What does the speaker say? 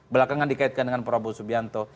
belakangan dikaitkan dengan prabowo subianto